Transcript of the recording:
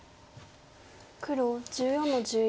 黒１４の十一。